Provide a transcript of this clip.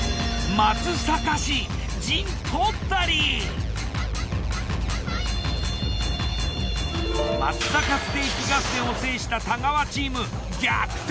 松阪ステーキ合戦を制した太川チーム逆転！